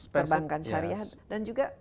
perbankan syariah dan juga